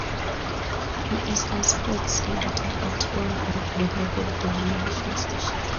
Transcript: He is a sports editor at one of the local television stations.